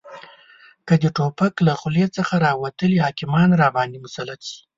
که د توپک له خولې څخه راوتلي حاکمان راباندې مسلط شي